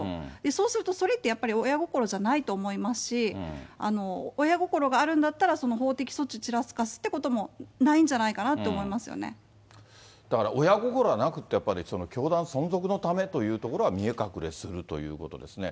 そうすると、それってやっぱり親心じゃないと思いますし、親心があるんだったら、その法的措置ちらつかすということもないんじゃないかなって思いだから親心じゃなくて、やっぱり教団存続のためということが見え隠れするということですね。